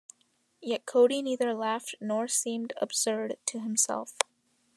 Yet Cody neither laughed nor seemed absurd to himself.